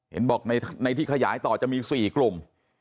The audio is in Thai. เห็นบอกในที่ขยายต่อจะมี๔กลุ่ม